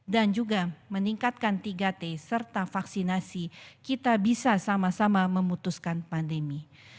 dan juga meningkatkan tiga t serta vaksinasi kita bisa sama sama memutuskan pandemi